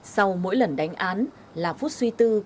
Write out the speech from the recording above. sau mỗi lần đánh án là phút suy tư